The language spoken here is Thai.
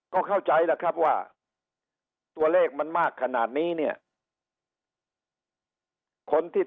ก็เข้าใจแล้วครับว่าตัวเลขมันมากขนาดนี้